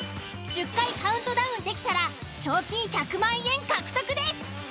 １０回カウントダウンできたら賞金１００万円獲得です。